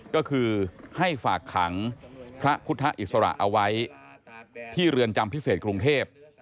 ก็คือให้ฝากขังพระพุทธอิสระเอาไว้ที่เรือนจำพิเศษกรุงเทพ